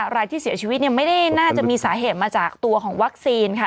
รายที่เสียชีวิตไม่ได้น่าจะมีสาเหตุมาจากตัวของวัคซีนค่ะ